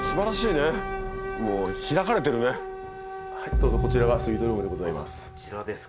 どうぞこちらがスイートルームでございます。